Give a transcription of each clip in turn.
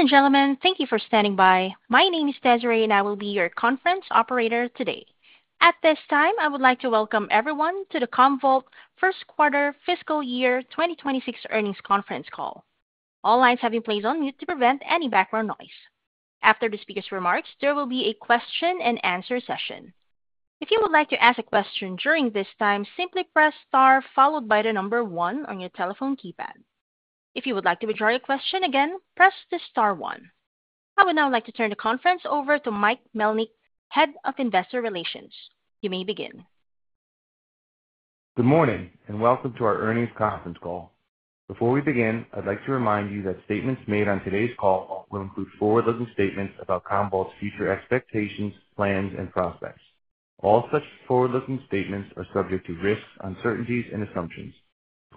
Ladies and gentlemen, thank you for standing by. My name is Desiree and I will be your conference operator today. At this time I would like to welcome everyone to the Commvault first quarter fiscal year 2026 earnings conference call. All lines have been placed on mute to prevent any background noise. After the speaker's remarks, there will be a question-and-answer session. If you would like to ask a question during this time, simply press star followed by the number one on your telephone keypad. If you would like to withdraw your question again, press the star one. I would now like to turn the conference over to Mike Melnyk, Head of Investor Relations. You may begin. Good morning and welcome to our earnings conference call. Before we begin, I'd like to remind you that statements made on today's call will include forward looking statements about Commvault's future expectations, plans, and prospects. All such forward looking statements are subject to risks, uncertainties, and assumptions.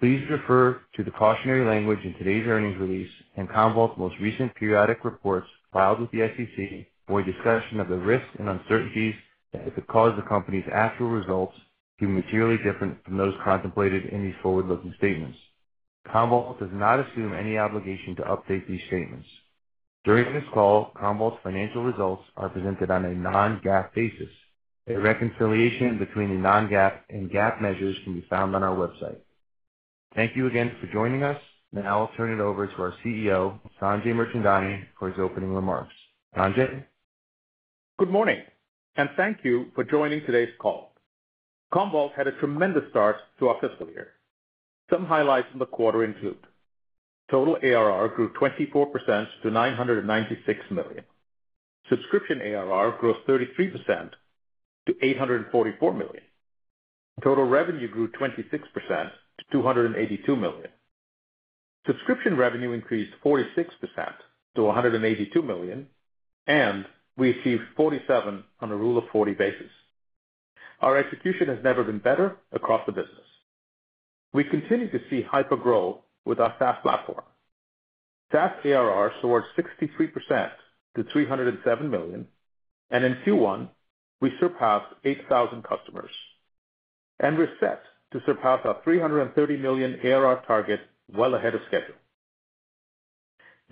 Please refer to the cautionary language in today's earnings release and Commvault's most recent periodic reports filed with the SEC for a discussion of the risks and uncertainties that could cause the company's actual results to be materially different from those contemplated in these forward looking statements. Commvault does not assume any obligation to update these statements. During this call, Commvault's financial results are presented on a non-GAAP basis. A reconciliation between the non-GAAP and GAAP measures can be found on our website. Thank you again for joining us. Now I'll turn it over to our CEO Sanjay Mirchandani for his opening remarks. Sanjay, good morning and thank you for joining today's call. Commvault had a tremendous start to our fiscal year. Some highlights in the quarter include total ARR grew 24% to $996 million, subscription ARR grew 33% to $844 million, total revenue grew 26% to $282 million, subscription revenue increased 46% to $182 million, and we achieved 47 on a rule of 40 basis. Our execution has never been better across the business. We continue to see hyper growth with our SaaS platform. SaaS ARR soared 63% to $307 million, and in Q1 we surpassed 8,000 customers and we're set to surpass our $330 million ARR target well ahead of schedule.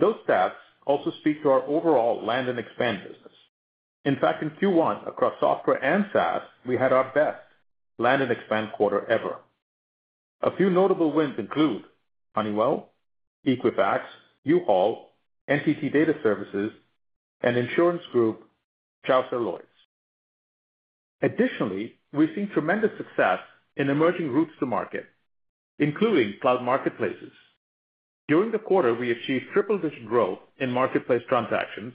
Those stats also speak to our overall land-and-expand business. In fact, in Q1 across software and SaaS we had our best land-and-expand quarter ever. A few notable wins include Honeywell, Equifax, U-Haul, NTT Data Services, and insurance group Chaucer Lloyds. Additionally, we've seen tremendous success in emerging routes to market including cloud marketplaces. During the quarter, we achieved triple digit growth in marketplace transactions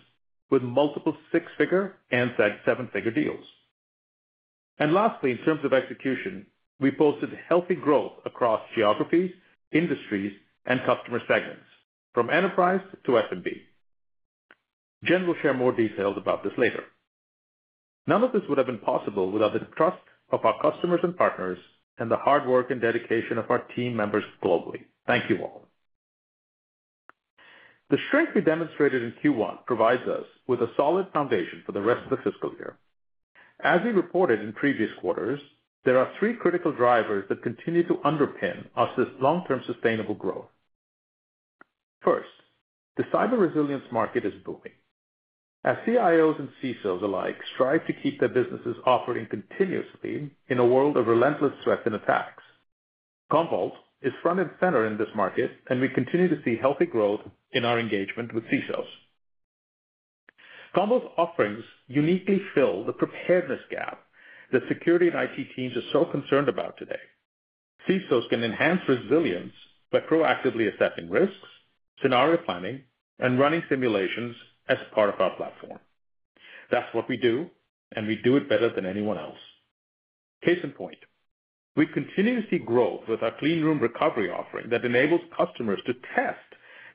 with multiple six figure and seven figure deals. Lastly, in terms of execution, we posted healthy growth across geographies, industries, and customer segments from enterprise to F and P. Jen will share more details about this later. None of this would have been possible without the trust of our customers and partners and the hard work and dedication of our team members globally. Thank you all. The strength we demonstrated in Q1 provides us with a solid foundation for the rest of the fiscal year. As we reported in previous quarters, there are three critical drivers that continue to underpin our long-term sustainable growth. First, the cyber resilience market is booming as CIOs and CISOs alike strive to keep their businesses operating continuously in a world of relentless threats and attacks. Commvault is front and center in this market, and we continue to see healthy growth in our engagement with CISOs. Commvault's offerings uniquely fill the preparedness gap that security and IT teams are so concerned about today. CISOs can enhance resilience by proactively assessing risks, scenario planning, and running simulations as part of our platform. That's what we do, and we do it better than anyone else. Case in point, we continue to see growth with our Clean Room Recovery offering that enables customers to test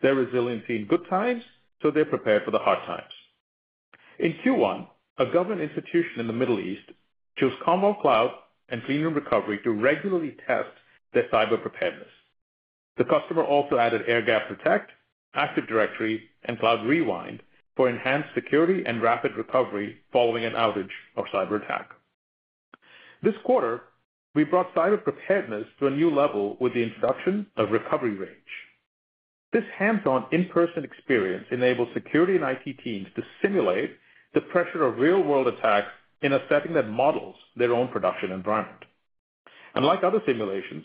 their resiliency in good times so they prepare for the hard times. In Q1, a government institution in the Middle East chose Commvault Cloud and Clean Room Recovery to regularly test their cyber preparedness. The customer also added Air Gap Protect, Active Directory, and Cloud Rewind for enhanced security and rapid recovery following an outage or cyber attack. This quarter, we brought cyber preparedness to a new level with the introduction of Recovery Range. This hands-on, in-person experience enables security and IT teams to simulate the pressure of real-world attacks in a setting that models their own production environment. Like other simulations,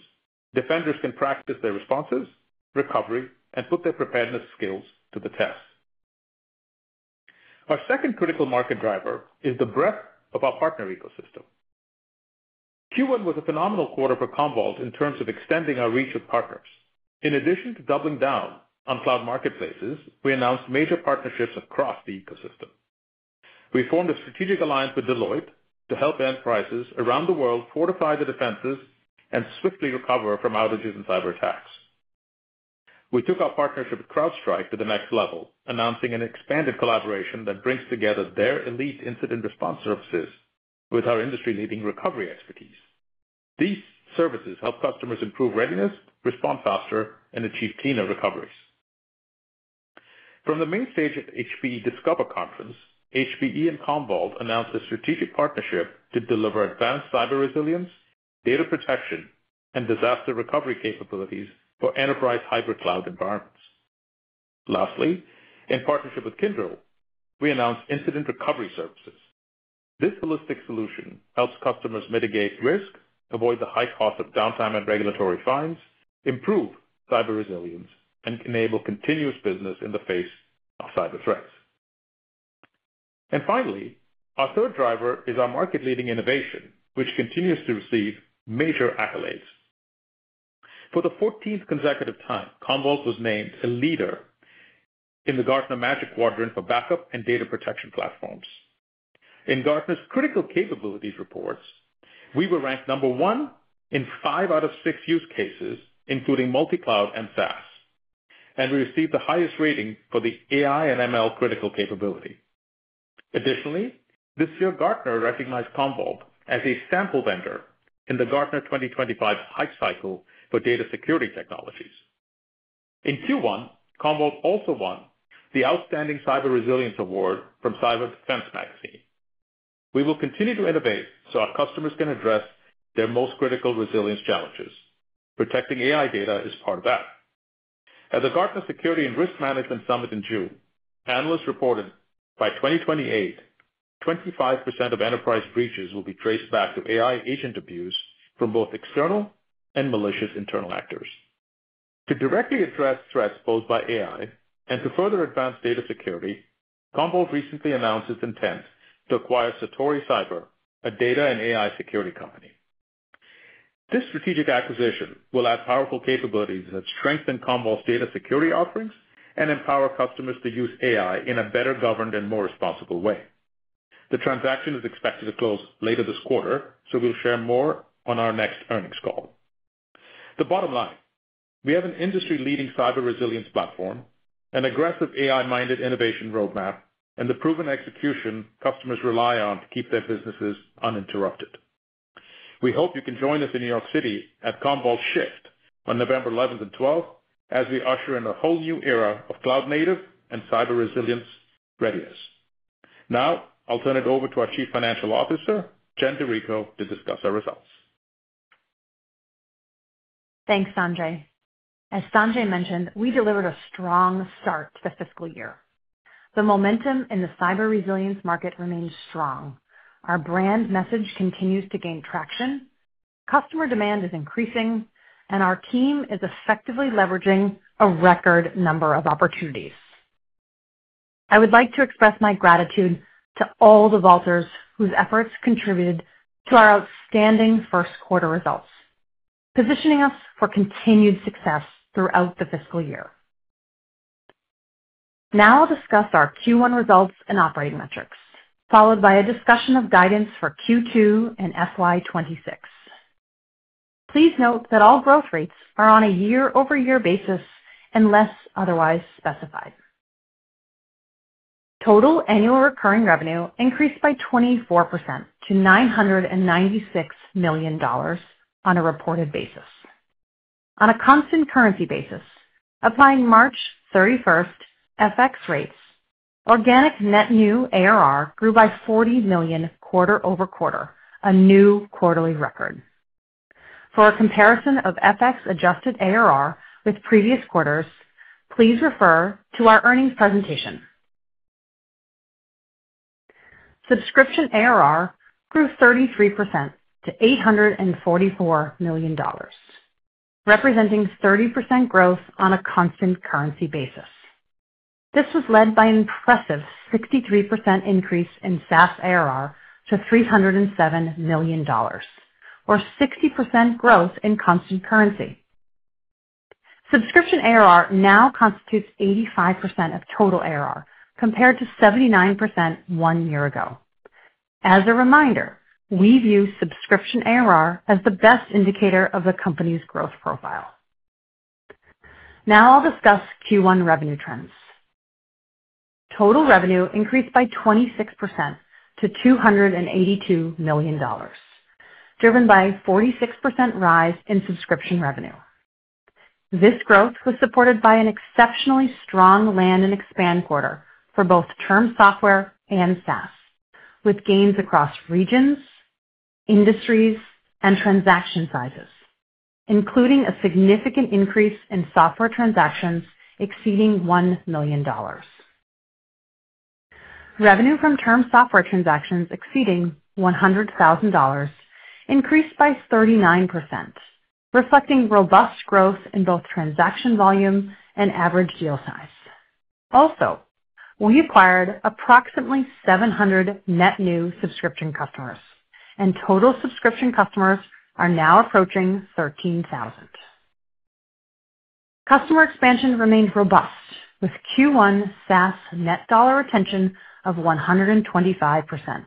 defenders can practice their responses, recovery, and put their preparedness skills to the test. Our second critical market driver is the breadth of our partner ecosystem. Q1 was a phenomenal quarter for Commvault in terms of extending our reach with partners. In addition to doubling down on cloud marketplaces, we announced major partnerships across the ecosystem. We formed a strategic alliance with Deloitte to help enterprises around the world fortify their defenses and swiftly recover from outages and cyber attacks. We took our partnership with CrowdStrike to the next level, announcing an expanded collaboration that brings together their elite incident response services with our industry-leading recovery expertise. These services help customers improve readiness, respond faster, and achieve cleaner recoveries. From the main stage of HPE Discover Conference, HPE and Commvault announced a strategic partnership to deliver advanced cyber resilience, data protection, and disaster recovery capabilities for enterprise hybrid cloud environments. Lastly, in partnership with Kyndryl, we announced Incident Recovery Services. This holistic solution helps customers mitigate risk, avoid the high cost of downtime and regulatory fines, improve cyber resilience, and enable continuous business in the face of cyber threats. Finally, our third driver is our market leading innovation which continues to receive major accolades. For the 14th consecutive time, Commvault was named a leader in the Gartner Magic Quadrant for backup and data protection platforms. In Gartner's Critical Capabilities reports, we were ranked number one in five out of six use cases including multi, cloud, and SaaS, and we received the highest rating for the AI and ML Critical capability. Additionally, this year Gartner recognized Commvault as a sample vendor in the Gartner 2025 Hype Cycle for data security technologies. In Q1, Commvault also won the Outstanding Cyber Resilience Award from Cyber Defense Magazine. We will continue to innovate so our customers can address their most critical resilience challenges. Protecting AI data is part of that. At the Gartner Security and Risk Management Summit in June, analysts reported by 2028, 25% of enterprise breaches will be traced back to AI agent abuse from both external and malicious internal actors. To directly address threats posed by AI and to further advance data security, Commvault recently announced its intent to acquire Satori Cyber, a data and AI security company. This strategic acquisition will add powerful capabilities that strengthen Commvault's data security offerings and empower customers to use AI in a better governed and more responsible way. The transaction is expected to close later this quarter, so we'll share more on our next earnings call. The bottom line is we have an industry leading cyber resilience platform, an aggressive AI minded innovation roadmap, and the proven execution customers rely on to keep their businesses uninterrupted. We hope you can join us in New York City at Commvault Shift on November 11th and 12th as we usher in a whole new era of cloud, native, and cyber resilience readiness. Now I'll turn it over to our Chief Financial Officer Jen DiRico to discuss our results. Thanks Sanjay. As Sanjay mentioned, we delivered a strong start to the fiscal year. The momentum in the cyber resilience market remains strong, our brand message continues to gain traction, customer demand is increasing, and our team is effectively leveraging a record number of opportunities. I would like to express my gratitude to all the vaulters whose efforts contributed to our outstanding first quarter results, positioning us for continued success throughout the fiscal year. Now I'll discuss our Q1 results and operating metrics, followed by a discussion of guidance for Q2 and FY2026. Please note that all growth rates are on a year-over-year basis unless otherwise specified. Total annual recurring revenue (ARR) increased by 24% to $996 million on a reported basis and on a constant currency basis. Applying March 31 FX rates, organic net new ARR grew by $40 million quarter-over-quarter, a new quarterly record. For a comparison of FX adjusted ARR with previous quarters, please refer to our earnings presentation. Subscription ARR grew 33% to $844 million, representing 30% growth on a constant currency basis. This was led by an impressive 63% increase in SaaS arrangement to $307 million, or 60% growth in constant currency. Subscription ARR now constitutes 85% of total ARR compared to 79% one year ago. As a reminder, we view subscription ARR as the best indicator of the company's growth profile. Now I'll discuss Q1 revenue trends. Total revenue increased by 26% to $282 million, driven by a 46% rise in subscription revenue. This growth was supported by an exceptionally strong land-and-expand quarter for both term software and SaaS, with gains across regions, industries, and transaction sizes, including a significant increase in software transactions exceeding $1 million. Revenue from term software transactions exceeding $100,000 increased by 39%, reflecting robust growth in both transaction volume and average deal size. Also, we acquired approximately 700 net new subscription customers, and total subscription customers are now approaching 13,000. Customer expansion remained robust with Q1 SaaS net dollar retention of 125%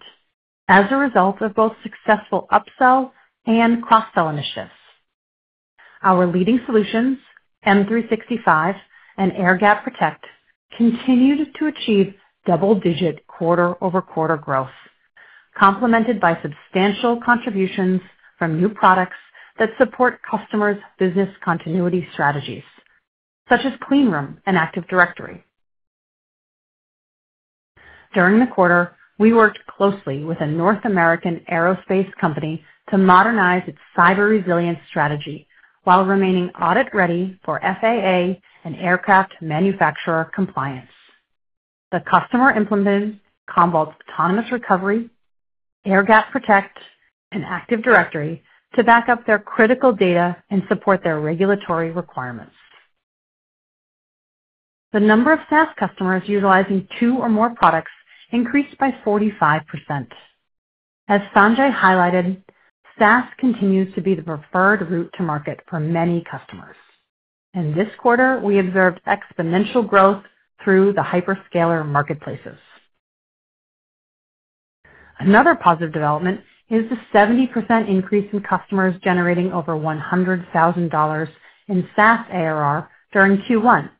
as a result of both successful upsell and cross-sell initiatives. Our leading solutions, M365 and Air Gap Protect, continued to achieve double-digit quarter-over-quarter growth, complemented by substantial contributions from new products that support customers' business continuity strategies such as Clean Room and Active Directory. During the quarter, we worked closely with a North American aerospace company to modernize its cyber resilience strategy while remaining audit ready for FAA and aircraft manufacturer compliance. The customer implemented Commvault's Autonomous Recovery, Air Gap Protect, and Active Directory to back up their critical data and support their regulatory requirements. The number of SaaS customers utilizing two or more products increased by 45%. As Sanjay highlighted, SaaS continues to be the preferred route to market for many customers, and this quarter we observed exponential growth through the hyperscaler marketplaces. Another positive development is the 70% increase in customers generating over $100,000 in SaaS ARR during Q1.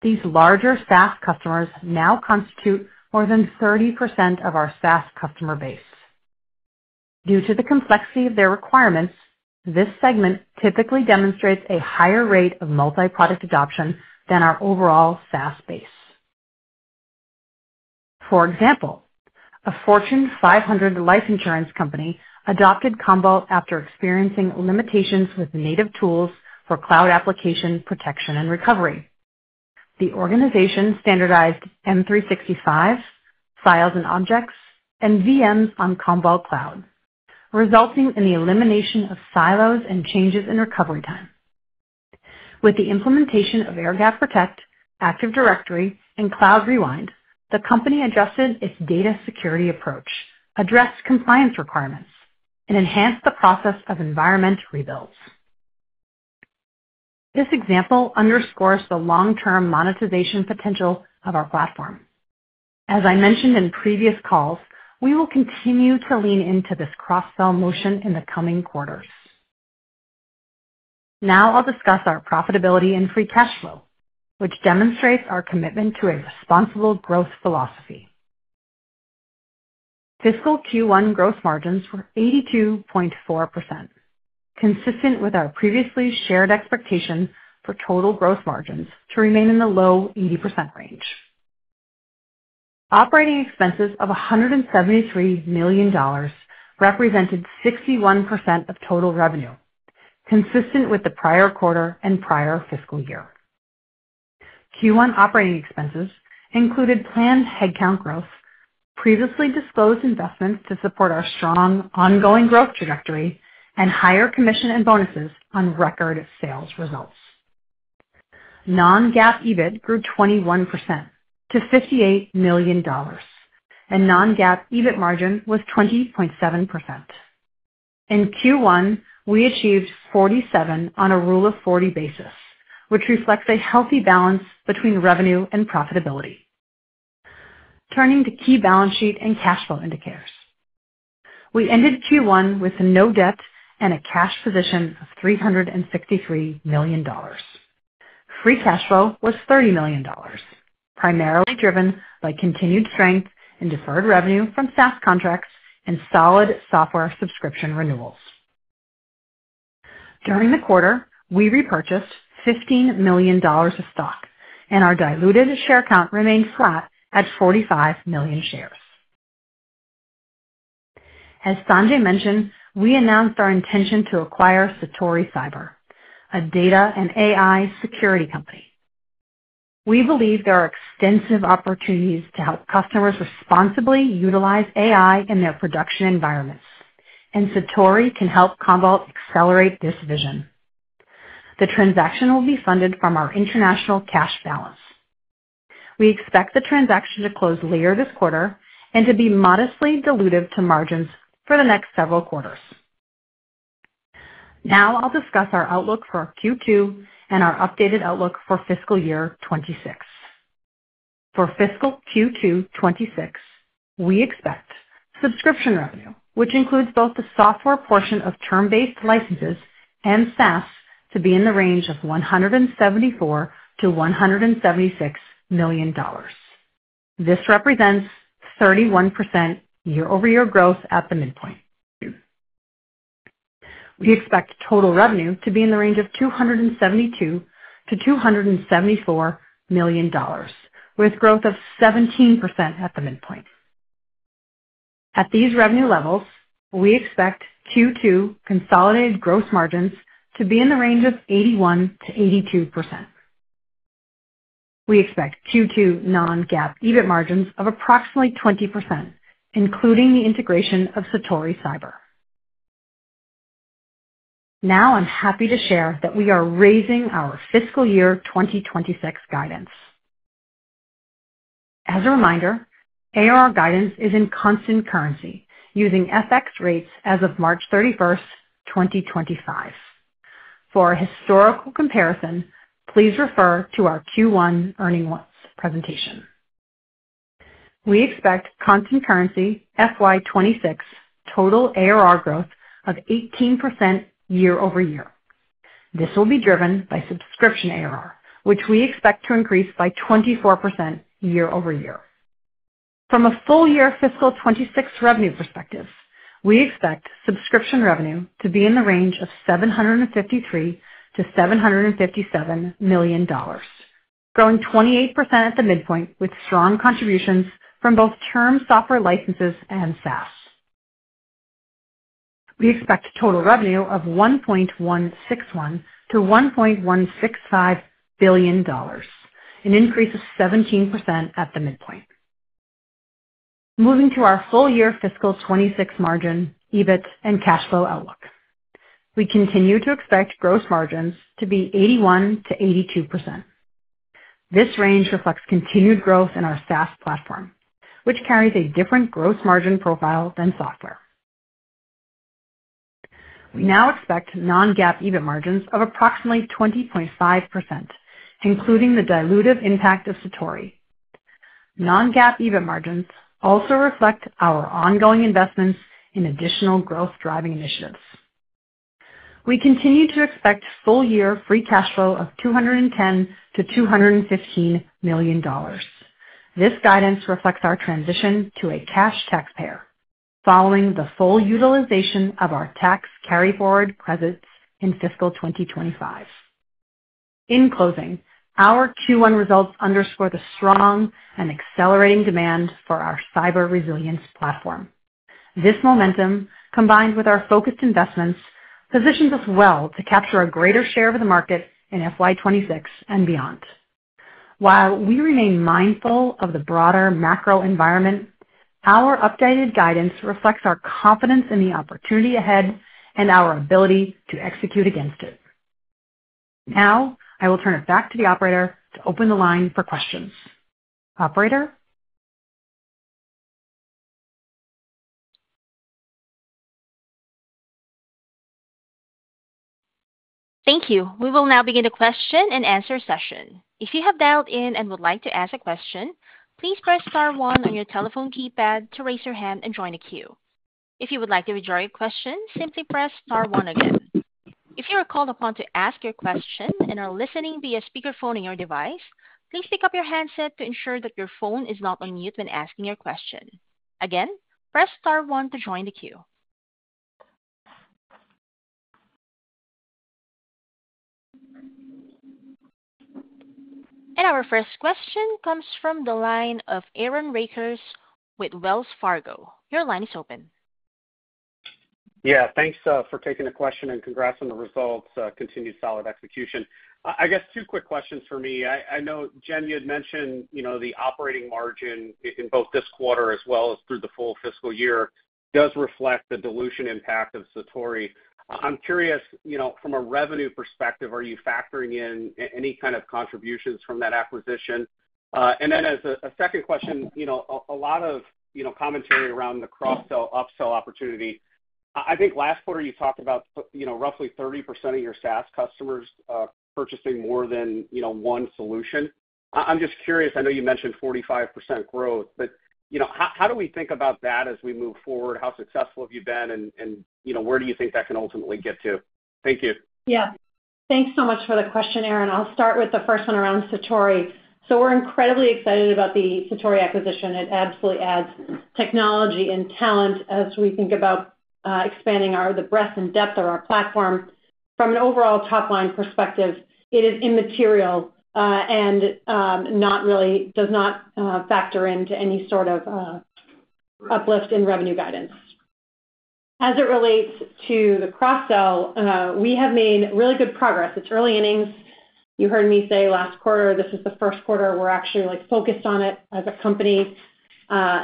These larger SaaS customers now constitute more than 30% of our SaaS customer base. Due to the complexity of their requirements, this segment typically demonstrates a higher rate of multi-product adoption than our overall SaaS base. For example, a Fortune 500 life insurance company adopted Commvault after experiencing limitations with native tools for cloud application protection and recovery. The organization standardized M365 files and objects and VMs on Commvault Cloud, resulting in the elimination of silos and changes in recovery time. With the implementation of Air Gap Protect, Active Directory, and Cloud Rewind, the company adjusted its data security approach, addressed compliance requirements, and enhanced the process of environment rebuilds. This example underscores the long-term monetization potential of our platform. As I mentioned in previous calls, we will continue to lean into this cross-sell motion in the coming quarters. Now I'll discuss our profitability and free cash flow, which demonstrates our commitment to a responsible growth philosophy. Fiscal Q1 gross margins were 82.4%, consistent with our previously shared expectation for total gross margins to remain in the low 80% range. Operating expenses of $173 million represented 61% of total revenue, consistent with the prior quarter and prior fiscal year. Q1 operating expenses included planned headcount growth, previously disclosed investments to support our strong ongoing growth trajectory, and higher commission and bonuses on record sales results. Non-GAAP EBIT grew 21% to $58 million, and non-GAAP EBIT margin was 20.7%. In Q1, we achieved 47 on a rule of 40 basis, which reflects a healthy balance between revenue and profitability. Turning to key balance sheet and cash flow indicators, we ended Q1 with no debt and a cash position of $363 million. Free cash flow was $30 million, primarily driven by continued strength in deferred revenue from SaaS contracts and solid software subscription renewals. During the quarter, we repurchased $15 million of stock and our diluted share count remained flat at 45 million shares. As Sanjay mentioned, we announced our intention to acquire Satori Cyber, a data and AI security company. We believe there are extensive opportunities to help customers responsibly utilize AI in their production environments and Satori can help Commvault accelerate this vision. The transaction will be funded from our international cash balance. We expect the transaction to close later this quarter and to be modestly dilutive to margins for the next several quarters. Now I'll discuss our outlook for Q2 and our updated outlook for fiscal year 2026. For fiscal Q2 2026, we expect subscription revenue, which includes both the software portion of term-based licenses and SaaS, to be in the range of $174 million-$176 million. This represents 31% year-over-year growth at the midpoint. We expect total revenue to be in the range of $272 million-$274 million with growth of 17% at the midpoint. At these revenue levels, we expect Q2 consolidated gross margins to be in the range of 81%-82%. We expect Q2 non-GAAP EBIT margins of approximately 20%, including the integration of Satori Cyber. Now I'm happy to share that we are raising our fiscal year 2026 guidance. As a reminder, ARR guidance is in constant currency using FX rates as of March 31, 2025. For a historical comparison, please refer to our Q1 earnings presentation. We expect constant currency FY 2026 total ARR growth of 18% year-over-year. This will be driven by subscription ARR, which we expect to increase by 24% year-over-year. From a full year fiscal 2026 revenue perspective, we expect subscription revenue to be in the range of $753 million-$757 million, growing 28% at the midpoint with strong contributions from both term software licenses and SaaS. We expect total revenue of $1.161 billion-$1.165 billion, an increase of 17% at the midpoint. Moving to our full year fiscal 2026 margin, EBIT, and cash flow outlook, we continue to expect gross margins to be 81%-82%. This range reflects continued growth in our SaaS platform, which carries a different gross margin profile than software. We now expect non-GAAP EBIT margins of approximately 20.5%, including the dilutive impact of Satori. Non-GAAP EBIT margins also reflect our ongoing investments in additional growth-driving initiatives. We continue to expect full-year free cash flow of $210 million-$215 million. This guidance reflects our transition to a cash taxpayer following the full utilization of our tax carryforward credits in fiscal 2025. In closing, our Q1 results underscore the strong and accelerating demand for our cyber resilience platform. This momentum, combined with our focused investments, positions us well to capture a greater share of the market in FY 2026 and beyond. While we remain mindful of the broader macro environment, our updated guidance reflects our confidence in the opportunity ahead and our ability to execute against it. Now I will turn it back to the operator to open the line for questions. Operator. Thank you. We will now begin the question and answer session. If you have dialed in and would like to ask a question, please press Star one on your telephone keypad to raise your hand and join the queue. If you would like to withdraw your question, simply press Star one again. If you are called upon to ask your question and are listening via speakerphone on your device, please pick up your handset to ensure that your phone is not on mute. When asking your question, again, press Star one to join the queue. Our first question comes from the line of Aaron Rakers with Wells Fargo. Your line is open. Yeah, thanks for taking the question and congrats on the results. Continued solid execution, I guess. Two quick questions for me. I know, Jen, you mentioned the operating margin in both this quarter as well as through the full fiscal year does reflect the dilution impact of Satori. I'm curious, from a revenue perspective, are you factoring in any kind of contributions from that acquisition? As a second question, a lot of commentary around the cross sell upsell opportunity. I think last quarter you talked about roughly 30% of your SaaS customers purchasing more than one solution. I'm just curious. I know you mentioned 45% growth, but how do we think about that as we move forward? How successful have you been and where do you think that can ultimately get to? Thank you. Yeah, thanks so much for the question, Aaron. I'll start with the first one around Satori. We're incredibly excited about the Satori acquisition. It absolutely adds technology and talent as we think about expanding the breadth and depth of our platform. From an overall top line perspective, it is immaterial and really does not factor into any sort of uplift in revenue guidance as it relates to the cross sell. We have made really good progress. It's early innings, you heard me say last quarter. This is the first quarter we're actually focused on it as a company.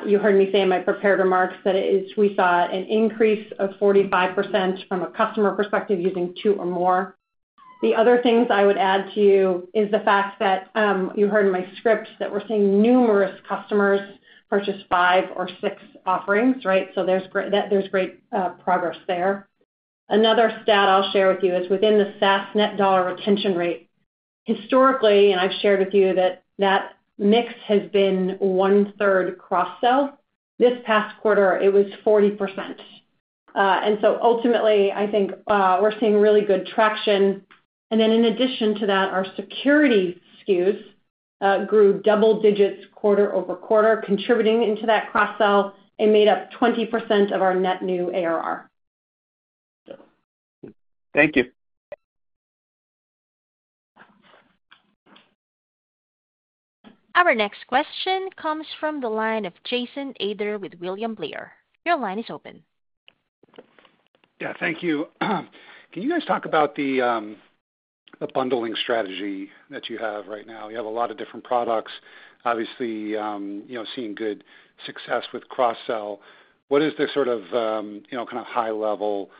You heard me say in my prepared remarks that we saw an increase of 45% from a customer perspective using two or more. The other things I would add to you is the fact that you heard in my script that we're seeing numerous customers purchase five or six offerings, right? There's great progress there. Another stat I'll share with you is within the SaaS Net Dollar retention rate historically and I've shared with you that that mix has been one third cross sell. This past quarter it was 40%. Ultimately I think we're seeing really good traction. In addition to that, our security SKUs grew double digits quarter over quarter contributing into that cross sell and made up 20% of our net new ARR. Thank you. Our next question comes from the line of Jason Ader with William Blair. Your line is open. Yeah, thank you. Can you guys talk about the bundling strategy that you have right now? You have a lot of different products obviously seeing good success with cross sell. What is the sort of high level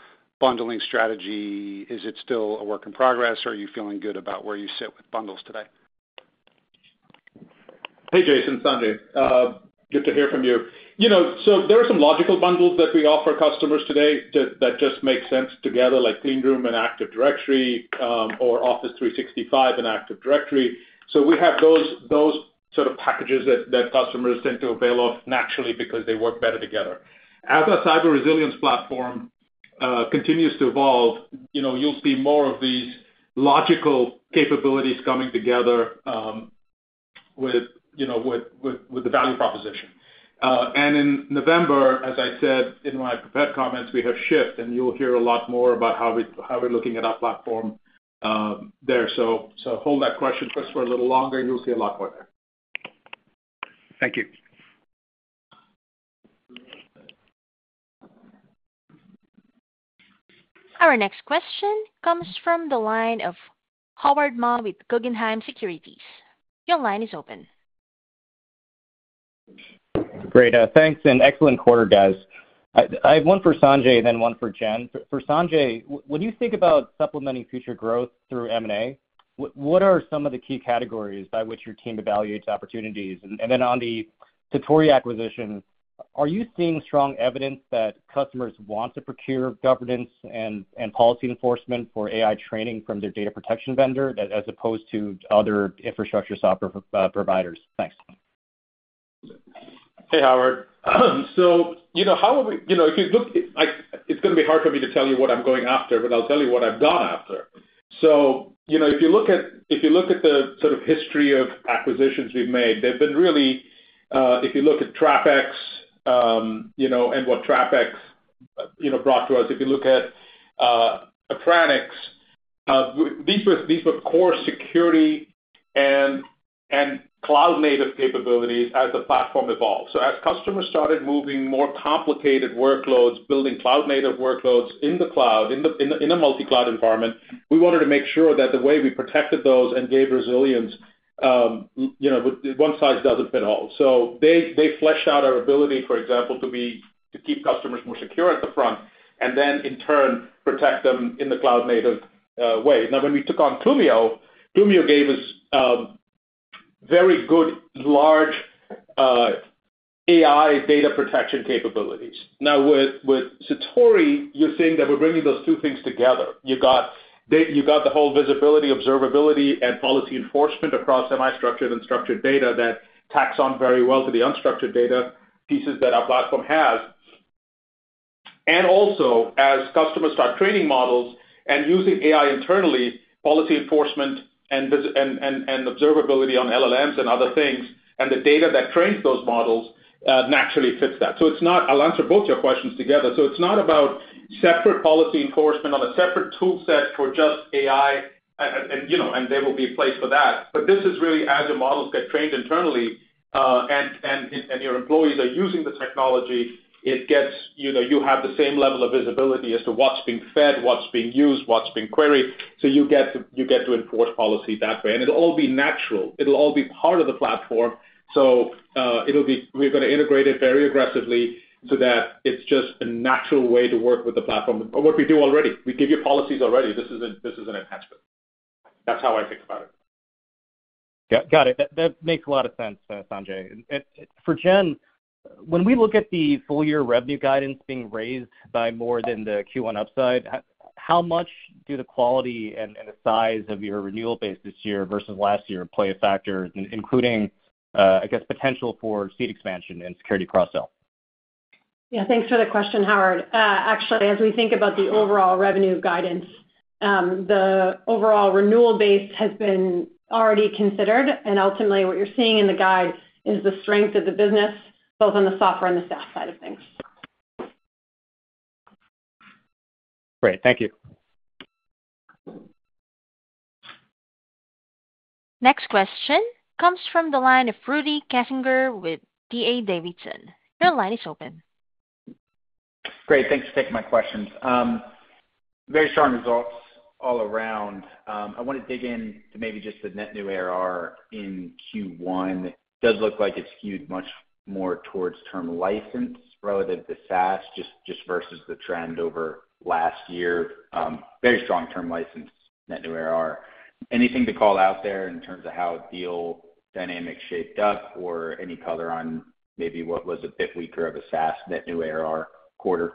bundling strategy? Is it still a work in progress? Are you feeling good about where you sit with bundles today? Hey Jason. Sanjay, good to hear from you. There are some logical bundles that we offer customers today that just make sense together, like Clean Room and Active Directory or Office365 and Active Directory. We have those sort of packages that customers tend to avail of naturally because they work better together. As our cyber resilience platform continues to evolve, you'll see more of these logical capabilities coming together with the value proposition. In November, as I said in my prepared comments, we have shift and you'll hear a lot more about how we're looking at our platform there. Hold that question for a little longer. You'll see a lot more there. Thank you. Our next question comes from the line of Howard Ma with Guggenheim Securities. Your line is open. Great. Thanks. And excellent quarter, guys. I have one for Sanjay, then one for Jen. For Sanjay, when you think about supplementing future growth through M&A, what are some of the key categories by which your team evaluates opportunities? And then on the Satori acquisition, are you seeing strong evidence that customers want to procure governance and policy enforcement for AI training from their data protection vendor as opposed to other infrastructure software providers? Thanks. Hey Howard, it's going to be hard for me to tell you what I'm going after, but I'll tell you what I've gone after. If you look at the sort of history of acquisitions we've made, they've been really, if you look at Trapex and what Trapex brought to us, these were core security and cloud native capabilities as the platform evolved. As customers started moving more complicated workloads, building cloud native workloads in the cloud, in a multi-cloud environment, we wanted to make sure that the way we protected those and gave resilience, one size doesn't fit all. They fleshed out our ability, for example, to keep customers more secure at the front and then in turn protect them in the cloud native way. When we took on Plumio, Plumio gave us very good large AI data protection capabilities. Now with Satori, you're seeing that we're bringing those two things together. You got the whole visibility, observability, and policy enforcement across semi-structured and structured data that tacks on very well to the unstructured data pieces that our platform has. Also, as customers start training models and using AI internally, policy enforcement and observability on LLMs and other things and the data that trains those models naturally fits that. I'll answer both your questions together. It's not about separate policy enforcement on a separate tool set for just AI, and there will be a place for that. This is really as your models get trained internally and your employees are using the technology, you have the same level of visibility as to what's being fed, what's being used, what's being queried. You get to enforce policy that way and it'll all be natural, it'll all be part of the platform. We're going to integrate it very aggressively so that it's just a natural way to work with the platform. What we do already, we give you policies already. This is an enhancement. That's how I think about it. Got it. That makes a lot of sense. Sanjay, for Jen, when we look at the full year revenue guidance being raised by more than the Q1 upside, how much do the quality and the size of your renewal base this year versus last year play a factor, including, I guess, potential for seat expansion and security cross sell. Yeah, thanks for the question, Howard. Actually, as we think about the overall revenue guidance, the overall renewal base has been already considered, and ultimately what you're seeing in the guide is the strength of the business both on the Software and the SaaS side of things. Great, thank you. Next question comes from the line of Rudy Kessinger with D.A. Davidson. Your line is open. Great, thanks for taking my questions. Very strong results all around. I want to dig in to maybe just the net new ARR in Q1. It does look like it's skewed much more towards term license relative to SaaS just versus the trend over last year. Very strong term license, net new ARR. Anything to call out there in terms of how deal dynamics shaped up, or any color on maybe what was a bit weaker of a SaaS net new ARR quarter.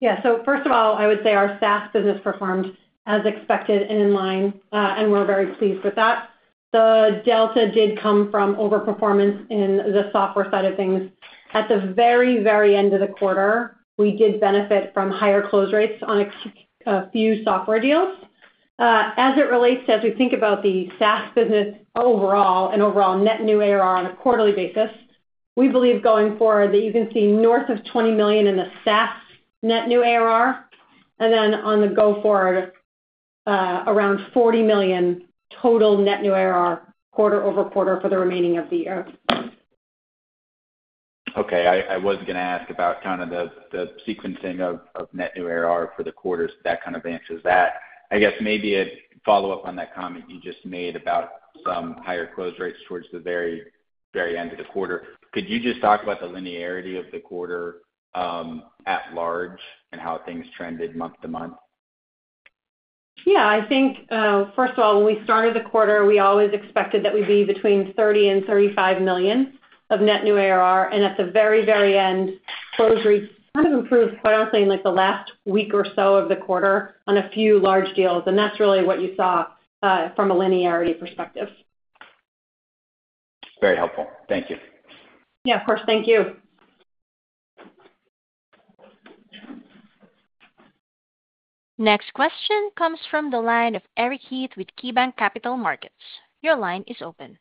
Yeah. First of all, I would say our SaaS business performed as expected and in line, and we're very pleased with that. The delta did come from overperformance in the software side of things. At the very, very end of the quarter, we did benefit from higher close rates on a few software deals. As it relates to, as we think about the SaaS business overall, an overall net new ARR on a quarterly basis, we believe going forward that you can see north of $20 million in the SaaS net new ARR, and then on the go forward, around $40 million total net new ARR quarter over quarter for the remaining of the year. Okay. I was going to ask about kind of the sequencing of net new ARR for the quarter. That kind of answers that. I guess maybe to follow up on that comment you just made about some higher close rates towards the very, very end of the quarter, could you just talk about the linearity of the quarter at large and how things trended month-to-month? Yeah, I think first of all, when we started the quarter we always expected that we'd be between $30 million and $35 million of net new ARR and at the very, very end closing quite honestly in the last week or so of the quarter on a few large deals. That's really what you saw from a linearity perspective. Very helpful. Thank you. Yeah, of course. Thank you. Next question comes from the line of Eric Heath with KeyBanc Capital Markets. Your line is open.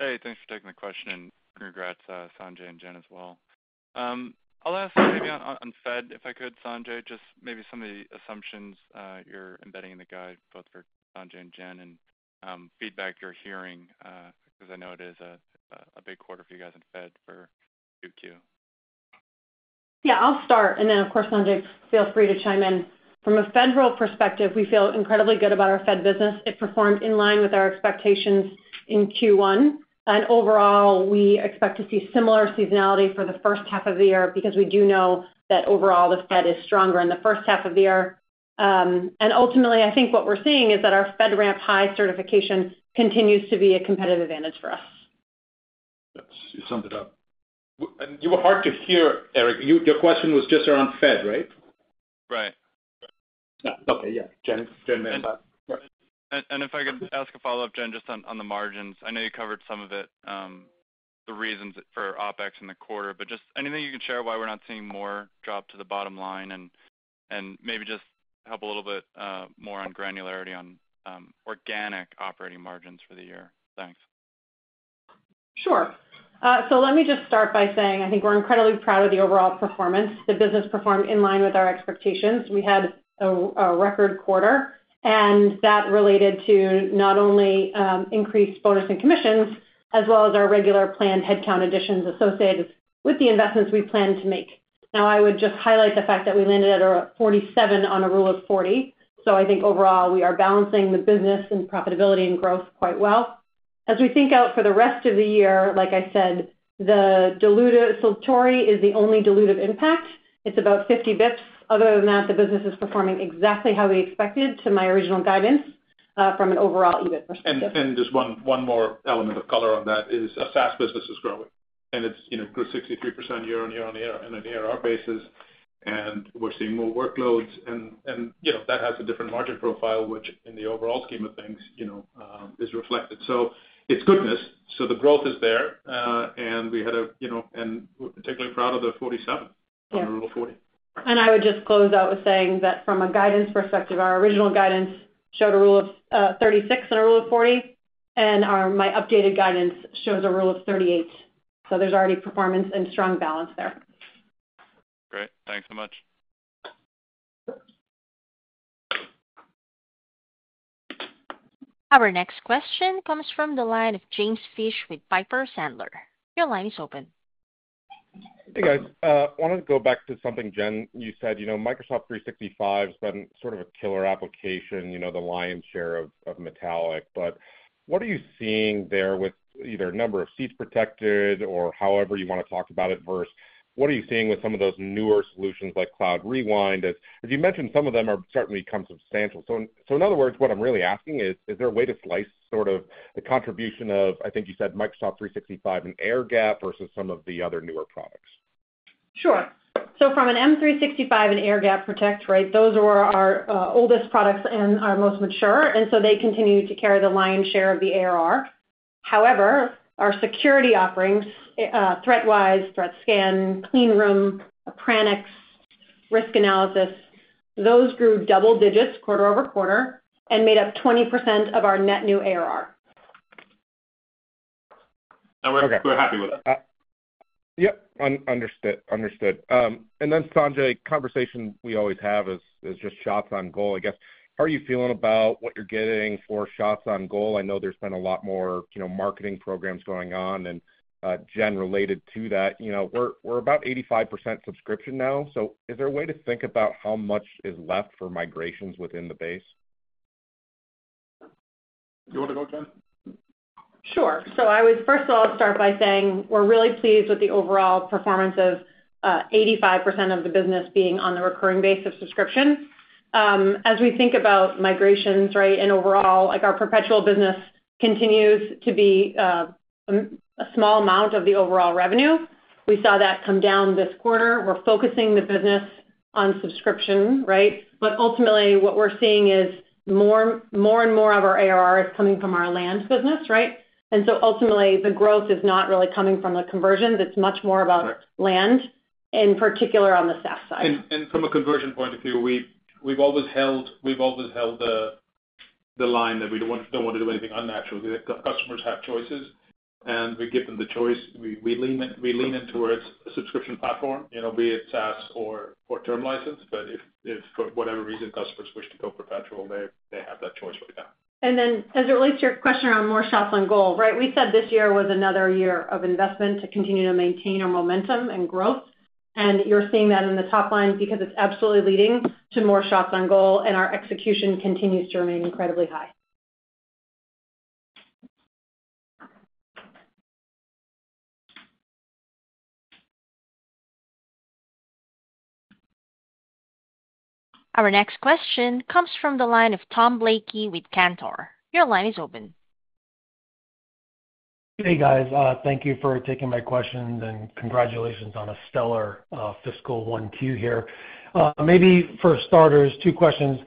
Hey, thanks for taking the question and congrats, Sanjay and Jen as well. I'll ask maybe on Fed if I could, Sanjay, just maybe some of the assumptions you're embedding in the guide both for Sanjay and Jen and feedback you're hearing because I know it is a big quarter for you guys in Fed for 2Q. Yeah, I'll start and then of course Sanjay, feel free to chime in. From a federal perspective, we feel incredibly good about our Fed business. It performed in line with our expectations in Q1, and overall we expect to see similar seasonality for the first half of the year because we do know that overall the Fed is stronger in the first half of the year. Ultimately, I think what we're seeing is that our FedRAMP High certification continues to be a competitive advantage for us. You summed it up. You were hard to hear. Eric, your question was just around Fed. Right? Right. Okay. Jen may have thought... and if I could ask a follow up, Jen, just on the margins, I know you covered some of it. The reasons for OpEx in the quarter. Just anything you can share why we're not seeing more drop to the bottom line and maybe just help a little bit more on granularity on organic operating margins for the year. Thanks. Sure. I think we're incredibly proud of the overall performance. The business performed in line with our expectations. We had a record quarter, and that related to not only increased bonus and commissions as well as our regular planned headcount additions associated with the investments we plan to make. I would just highlight the fact that we landed at 47 on a rule of 40. I think overall we are balancing the business and profitability and growth quite well as we think out for the rest of the year. Like I said, the dilutive is the only dilutive impact. It's about 50 bps. Other than that, the business is performing exactly how we expected to. My original guidance from an overall EBIT. Perspective and just one more element of color on that is a SaaS business is growing and it's grew 63% year-on-year on an ARR basis and we're seeing more workloads and that has a different margin profile, which in the overall scheme of things is reflected. It's goodness. The growth is there and we had a particularly proud of the 47. I would just close out with saying that from a guidance perspective, our original guidance showed a rule of 36 and a rule of 40, and my updated guidance shows a rule of 38. There's already performance and strong balance there. Great.Thanks so much. Our next question comes from the line of James Fish with Piper Sandler. Your line is open. Hey guys, I wanted to go back to something Jen, you said, you know Microsoft 365 has been sort of a killer application, you know, the lion's share of Metallic. What are you seeing there with either number of seats protected or however you want to talk about it versus what are you seeing with some of those newer solutions like Cloud Rewind? As you mentioned, some of them are starting to become substantial. In other words, what I'm really asking is is there a way to slice sort of the contribution of I think you said Microsoft 365 and Air Gap versus some of the other newer products. Sure. From an M365 and Air Gap Protect, those are our oldest products and our most mature, and they continue to carry the lion's share of the ARR. However, our security offerings, ThreatWise, Threat Scan, Clean Room, Printix Risk Analysis, those grew double digits quarter over quarter and made up 20% of our net new ARR. Happy with it? Yep. Understood. Sanjay, conversation we always have is just shots on goal, I guess. How are you feeling about what you're getting for shots on goal? I know there's been a lot more marketing programs going on and Jen related to that. We're about 85% subscription now. Is there a way to think about how much is left for migrations within the base? You want to go, Jen? Sure. I would first of all start by saying we're really pleased with the overall performance of 85% of the business being on the recurring base of subscription. As we think about migrations and overall, our perpetual business continues to be a small amount of the overall revenue. We saw that come down this quarter. We're focusing the business on subscription, but ultimately what we're seeing is more and more of our ARR is coming from our land business. Ultimately, the growth is not really coming from the conversions. It's much more about land in particular on the SaaS side. From a conversion point of view, we've always held the line that we don't want to do anything unnatural. Customers have choices and we give them the choice. We lean in towards a subscription platform, be it SaaS or term license. If for whatever reason customers wish to go perpetual, they have that choice right now. As it relates to your question on more shots on goal, we said this year was another year of investment to continue to maintain our momentum and grow growth. You're seeing that in the top line because it's absolutely leading to more shots on goal, and our execution continues. To remain incredibly high. Our next question comes from the line of Tom Blakey with Cantor. Your line is open. Hey, guys, thank you for taking my questions and congratulations on a stellar fiscal 1Q here, maybe for starters. Two questions.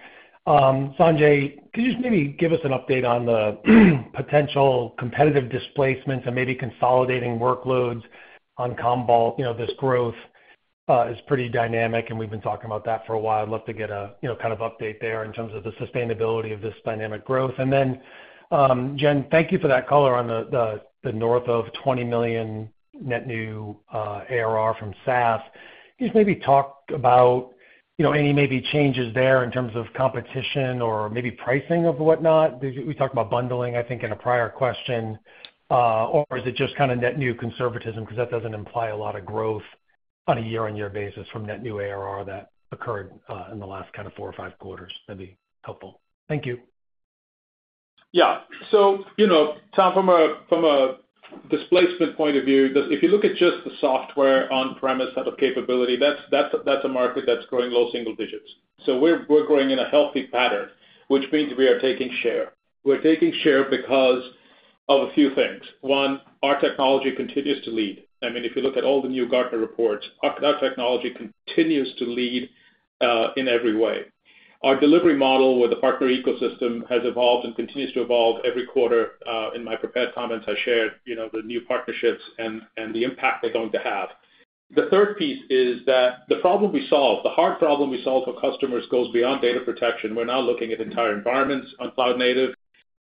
Sanjay, could you just maybe give us an update on the potential competitive displacements and maybe consolidating workloads on Commvault? This growth is pretty dynamic and we've been talking about that for a while. I'd love to get a kind of update there in terms of the sustainability of this dynamic growth. Jen, thank you for that color on the north of $20 million net new ARR from SaaS. Just maybe talk about any changes there in terms of competition or maybe pricing or whatnot. We talked about bundling, I think, in a prior question. Is it just kind of net new conservatism? That doesn't imply a lot of growth on a year-on-year basis from net new ARR that occurred in the last four or five quarters maybe. Helpful. Thank you. Yeah. Tom, from a displacement point of view, if you look at just the software on-premise type of capability, that's a market that's growing low single digits. We're growing in a healthy pattern, which means we are taking share. We're taking share because of a few things. One, our technology continues to lead. If you look at all the new Gartner reports, that technology continues to lead in every way. Our delivery model with the partner ecosystem has evolved and continues to evolve every quarter. In my prepared comments I shared the new partnerships and the impact they're going to have. The third piece is that the problem we solve, the hard problem we solve for customers, goes beyond data protection. We're now looking at entire environments on cloud native.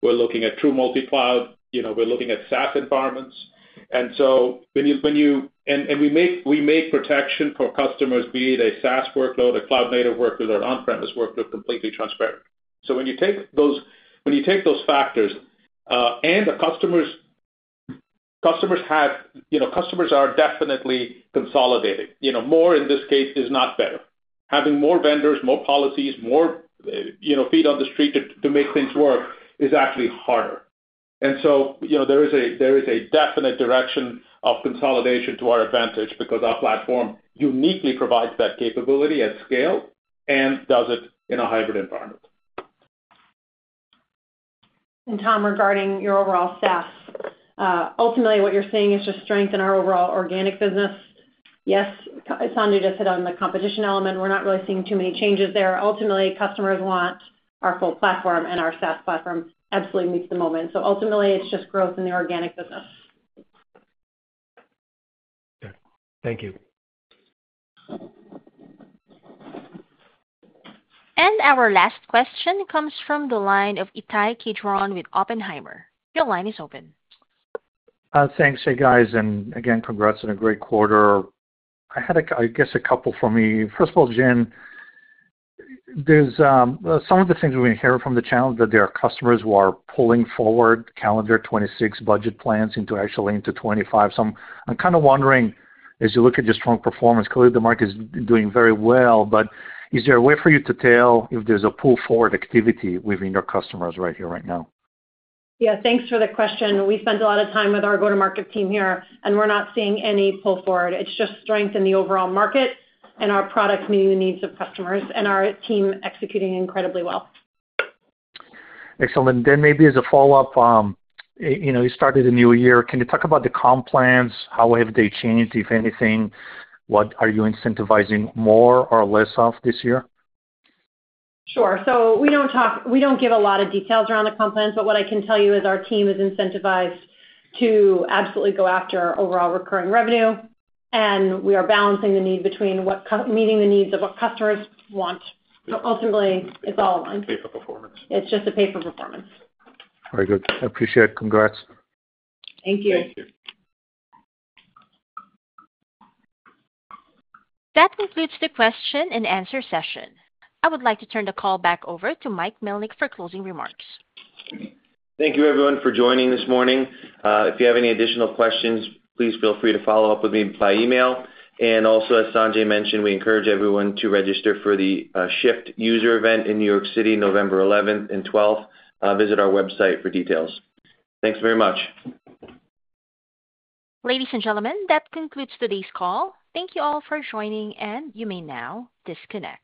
We're looking at true multi-cloud, we're looking at SaaS environments, and we make protection for customers, be it a SaaS workload, a cloud native workload, or an on-premise workload, completely transparent. When you take those factors and customers are definitely consolidating more, in this case more is not better. Having more vendors, more policies, more feet on the street to make things work is actually harder. There is a definite direction of consolidation to our advantage because our platform uniquely provides that capability at scale and does it in a hybrid environment. Regarding your overall SaaS, ultimately what you're seeing is just strength in our overall organic business. Yes. Sanjay just hit on the competition element. We're not really seeing too many changes there. Ultimately, customers want our full platform, and our SaaS platform absolutely meets the moment. Ultimately, it's just growth in the organic business. Thank you. Our last question comes from the line of Ittai Kidron with Oppenheimer. Your line is open. Thanks. Hey guys, and again congrats on a great quarter. I had, I guess, a couple for me. First of all, Jen, there's some of the things we hear from the channel that there are customers who are pulling forward calendar 2026 budget plans actually into 2025. I kind of want wondering as you look at your strong performance, clearly the market is doing very well. Is there a way for you to tell if there's a pull forward activity within your customers right here, right now? Yeah, thanks for the question. We spent a lot of time with our go-to-market team here and we're not seeing any pull forward. It's just strength in the overall market and our products meeting the needs of customers and our team executing incredibly well. Excellent. Maybe as a follow up, you know, you started a new year. Can you talk about the comp plans? How have they changed, if anything, what are you incentivizing more or less of this year? Sure. We don't give a lot of details around the comp plans, but what I can tell you is our team is incentivized to absolutely go after overall recurring revenue and we are balancing the need between meeting the needs of what customers want. Ultimately, it's all aligned. It's just a pay for performance. Very good. I appreciate it. Congrats. Thank you. That concludes the question-and-answer session. I would like to turn the call back over to Mike Melnyk for closing remarks. Thank you everyone for joining this morning. If you have any additional questions, please feel free to follow up with me by email. As Sanjay mentioned, we encourage everyone to register for the Shift User event in New York City November 11th and 12th. Visit our website for details. Thanks very much. Ladies and gentlemen, that concludes today's call. Thank you all for joining, and you may now disconnect.